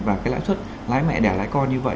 và cái lãi suất lái mẹ đẻ lãi con như vậy